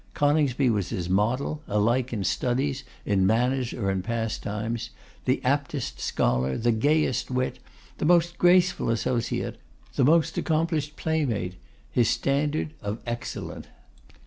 Coningsby was his model, alike in studies, in manners, or in pastimes; the aptest scholar, the gayest wit, the most graceful associate, the most accomplished playmate: his standard of excellent.